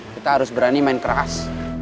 kita harus berani main keras